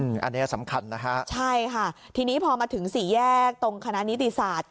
อันนี้สำคัญนะฮะใช่ค่ะทีนี้พอมาถึงสี่แยกตรงคณะนิติศาสตร์